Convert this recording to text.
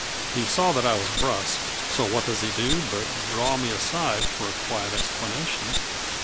He saw that I was brusque, so what does he do but draw me aside for a quiet explanation.